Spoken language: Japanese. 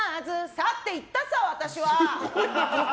去って行ったさ、私は！